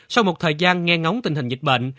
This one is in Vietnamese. sau một thời gian nghe ngóng tình hình dịch bệnh